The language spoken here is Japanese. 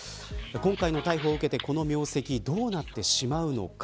今回の逮捕を受けてこの名跡がどうなってしまうのか。